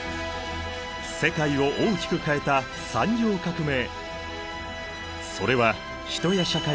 世界を大きく変えた産業革命。